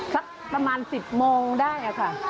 สักประมาณ๑๐โมงได้ค่ะ